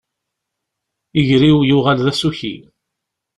Iger-iw yuɣal d asuki.